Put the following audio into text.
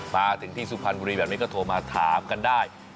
มาถึงที่สุพรรณบุรีแบบนี้ก็โทรมาถามกันได้